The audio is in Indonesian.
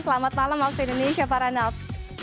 selamat malam waktu indonesia pak ranaf